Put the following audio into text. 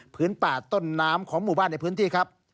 ป่าต้นน้ำของหมู่บ้านในพื้นที่ครับ